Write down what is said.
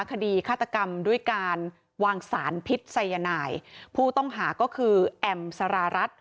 คดีฆาตกรรมด้วยการวางสารพิษัยนายผู้ต้องหาก็คือแอมสารารัฐ